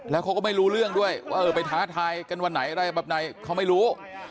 แล้วเขาก็ไม่รู้เรื่องด้วยว่าเออไปท้าทายกันวันไหนอะไรแบบไหนเขาไม่รู้